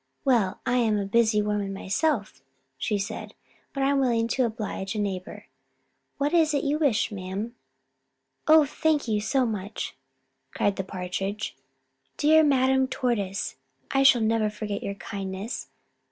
"Well, I am a busy woman myself," she said, "but I am willing to oblige a neighbor. What is it you wish, ma'am?" "Oh, thank you so much!" cried the Partridge. "Dear Madame Tortoise, I shall never forget your kindness.